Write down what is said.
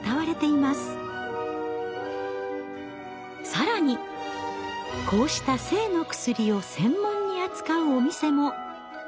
更にこうした性の薬を専門に扱うお店も。